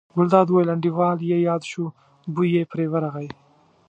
ګلداد وویل: انډیوال یې یاد شو، بوی یې پرې ورغی.